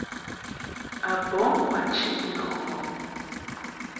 A bɔŋ ma chiʼ nɔʼɨ ŋgɔŋ.